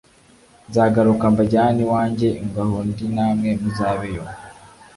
nzagaruka mbajyane iwanjye ngo aho ndi namwe muzabe yo.`»